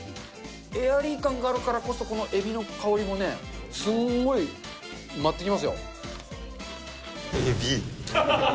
エアリー感があるからこそこのえびの香りもね、すんごい舞ってきえび！